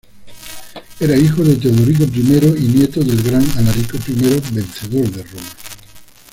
Era hijo de Teodorico I y nieto del gran Alarico I, vencedor de Roma.